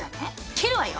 切るわよ！